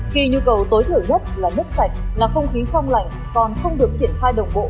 khi nhu cầu tối thiểu nhất là nước sạch là không khí trong lành còn không được triển khai đồng bộ